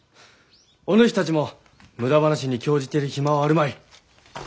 おぬしたちも無駄話に興じている暇はあるまい。